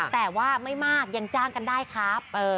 แต่ว่าไม่มากยังจ้างกันได้ครับ